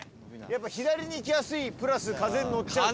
左に行きやすいプラス風に乗っちゃうと。